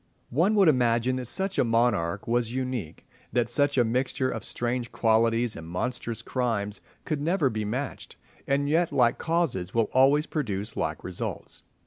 One would imagine that such a monarch was unique, that such a mixture of strange qualities and monstrous crimes could never be matched, and yet like causes will always produce like results.